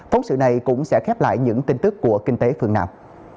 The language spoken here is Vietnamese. phóng sự này cũng sẽ khép lại những tin tức của kinh tế phương nam